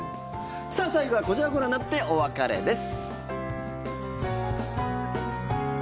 最後はこちらをご覧になってお別れです。